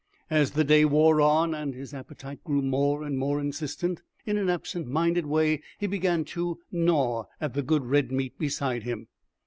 As the day wore on, and his appetite grew more and more insistent, in an absent minded way he began to gnaw at the good red meat beside him.